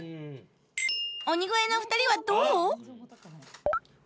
鬼越の２人はどう？